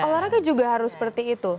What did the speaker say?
olahraga juga harus seperti itu